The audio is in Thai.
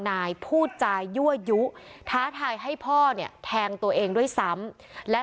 นายพูดจายั่วยุท้าทายให้พ่อเนี่ยแทงตัวเองด้วยซ้ำและ